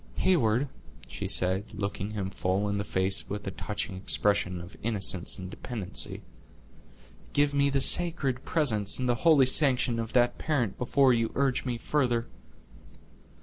"Heyward," she said, looking him full in the face with a touching expression of innocence and dependency, "give me the sacred presence and the holy sanction of that parent before you urge me further."